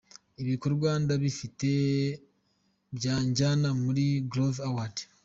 Ibikorwa ndabifite byanjyana muri Groove Awards.